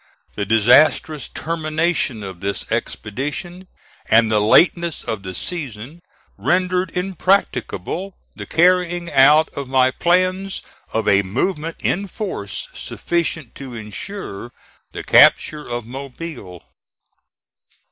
The disastrous termination of this expedition, and the lateness of the season, rendered impracticable the carrying out of my plans of a movement in force sufficient to insure the capture of Mobile.